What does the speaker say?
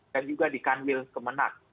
dan juga di kanwil kemenat